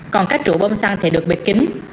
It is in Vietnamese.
còn các trụ bông xăng thì được bịt kính